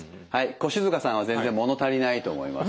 越塚さんは全然物足りないと思いますので。